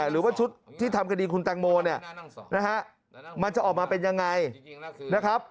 หรือว่าชุดที่ทำคดีคุณตังโมนี่มันจะออกมาเป็นอย่างไร